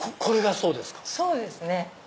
そうですね。